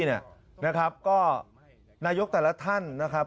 นะครับก็นายกแต่ละท่านนะครับ